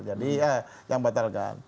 jadi yang dibatalkan